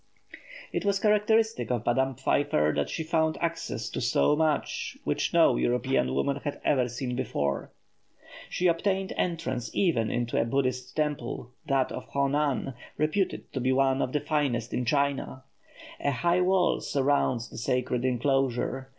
It was characteristic of Madame Pfeiffer that she found access to so much which no European woman had ever seen before. She obtained entrance even into a Buddhist temple that of Honan, reputed to be one of the finest in China. A high wall surrounds the sacred enclosure.